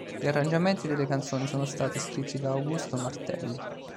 Gli arrangiamenti delle canzoni sono stati scritti da Augusto Martelli.